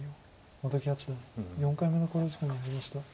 本木八段４回目の考慮時間に入りました。